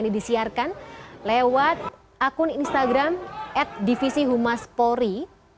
di instagram at divisihumaspori